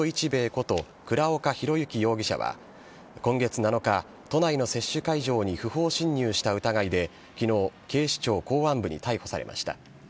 こと倉岡宏行容疑者は今月７日、都内の接種会場に不法侵入した疑いで昨日警視庁公安部に逮捕されました。